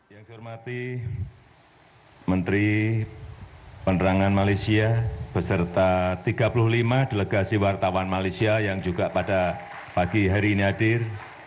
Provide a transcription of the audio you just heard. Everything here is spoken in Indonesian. yang saya hormati menteri penerangan malaysia beserta tiga puluh lima delegasi wartawan malaysia yang juga pada pagi hari ini hadir